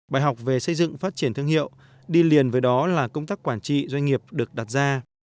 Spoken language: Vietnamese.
bài học về xây dựng phát triển thương hiệu đi liền với đó là công tác quản trị doanh nghiệp được đặt ra